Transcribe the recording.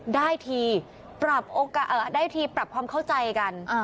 ได้ทีปรับความเข้าใจกัน